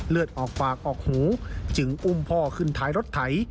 เลือดออกปากออกหูจึงอุ้มพ่อขึ้นท้ายรถไถ